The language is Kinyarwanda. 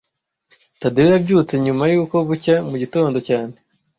Tadeyo yabyutse nyuma yuko bucya mu gitondo cyane